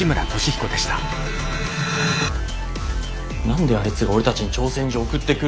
何であいつが俺たちに挑戦状送ってくるんだよ。